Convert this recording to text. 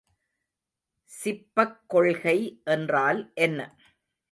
சிப்பக் கொள்கை என்றால் என்ன?